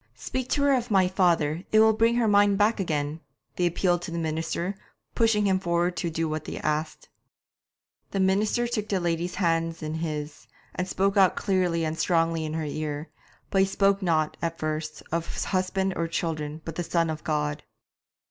'Speak to her of my father it will bring her mind back again,' they appealed to the minister, pushing him forward to do what they asked. The minister took the lady's hands in his, and spoke out clearly and strongly in her ear; but he spoke not, at first, of husband or children, but of the Son of God.